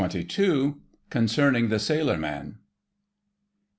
*XXII.* *CONCERNING THE SAILOR MAN.